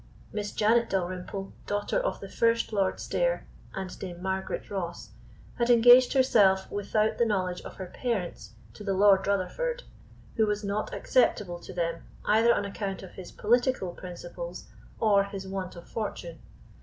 Miss Janet Dalrymple, daughter of the first Lord Stair and Dame Margaret Ross, had engaged herself without the knowledge of her parents to the Lord Rutherford, who was not acceptable to them either on account of his political principles or his want of fortune.